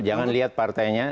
jangan lihat partanya